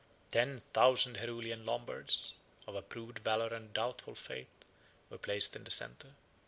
Ten thousand Heruli and Lombards, of approved valor and doubtful faith, were placed in the centre.